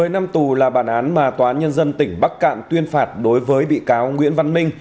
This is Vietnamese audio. một mươi năm tù là bản án mà tòa án nhân dân tỉnh bắc cạn tuyên phạt đối với bị cáo nguyễn văn minh